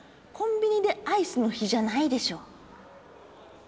コンビニでアイスの比じゃないでしょう。